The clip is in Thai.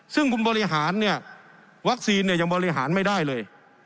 ซึ่งคุณบริหารเนี่ยวัคซีนเนี่ยยังบริหารไม่ได้เลย